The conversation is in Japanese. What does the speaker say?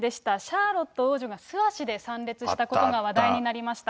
シャーロット王女が素足で参列したことが話題になりました。